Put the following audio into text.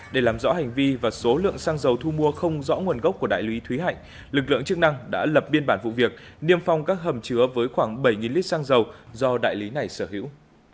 để làm rõ hành vi và số lượng xăng dầu thu mua không rõ nguồn gốc của đại lý thúy hạnh lực lượng chức năng đã lập biên bản vụ việc niêm phong các hầm chứa với khoảng bảy lít xăng dầu do đại lý này sở hữu